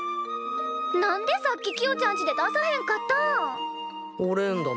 何でさっきキヨちゃんちで出さへんかったん！？